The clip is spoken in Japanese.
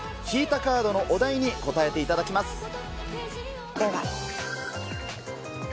引いたカードのお題に答えてもらいます。